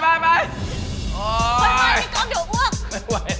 ไม่ไหวมีกล้องเดี๋ยวอ้วก